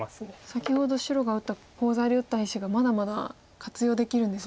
先ほど白が打ったコウ材で打った石がまだまだ活用できるんですね。